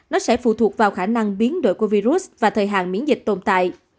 nó sẽ phụ thuộc vào khả năng biến đổi của virus và thời hạn miễn dịch tồn tại